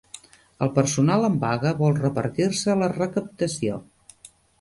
El personal en vaga vol repartir-se la recaptació.